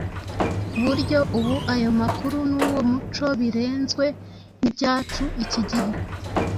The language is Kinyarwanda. ku buryo ubu ayo makuru n‟uwo muco birenzwe n‟ibyacu iki gihe.